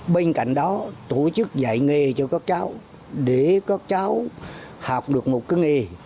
bên cạnh đó tổ chức dạy nghề cho các cháu để các cháu học được một cái nghề